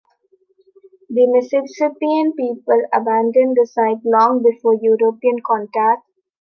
The Mississippian people abandoned the site long before European contact.